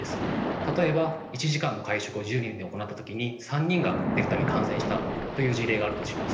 例えば１時間の会食を１０人で行った時に３人がデルタに感染したという事例があったとします。